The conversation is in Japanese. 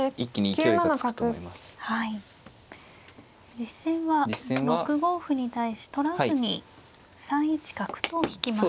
実戦は６五歩に対し取らずに３一角と引きました。